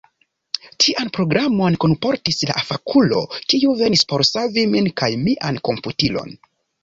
Tian programon kunportis la fakulo, kiu venis por savi min kaj mian komputilon.